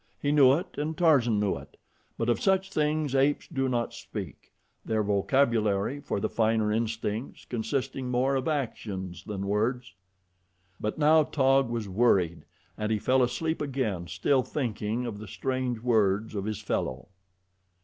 He knew it and Tarzan knew it; but of such things apes do not speak their vocabulary, for the finer instincts, consisting more of actions than words. But now Taug was worried, and he fell asleep again still thinking of the strange words of his fellow.